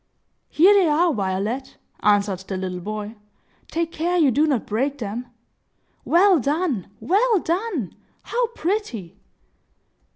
"Here they are, Violet!" answered the little boy. "Take care you do not break them. Well done! Well done! How pretty!"